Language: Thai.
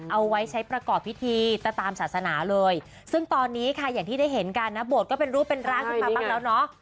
เอาไว้ใช้ประกอบพิธีตามศาสนาเลยซึ่งตอนนี้ค่ะอย่างที่ได้เห็นกันนะโบสถก็เป็นรูปเป็นร่างขึ้นมาบ้างแล้วเนาะ